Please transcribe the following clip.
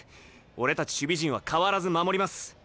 俺たち守備陣は変わらず守ります。